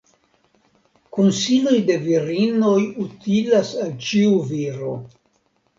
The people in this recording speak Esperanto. Konsiloj de virinoj utilas al ĉiu viro.